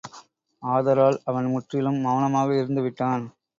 ஆதலால் அவன் முற்றிலும் மெளனமாக இருந்துவிட்டான்.